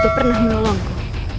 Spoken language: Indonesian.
kau juga pernah menolongku